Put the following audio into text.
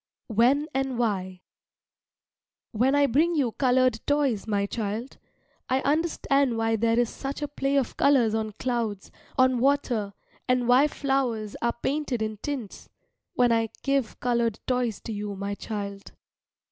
WHEN AND WHY When I bring you coloured toys, my child, I understand why there is such a play of colours on clouds, on water, and why flowers are painted in tints when I give coloured toys to you, my child.